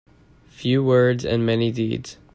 Few words and many deeds.